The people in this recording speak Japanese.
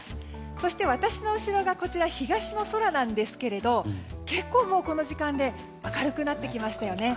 そして私の後ろが東の空ですが結構もうこの時間で明るくなってきましたよね。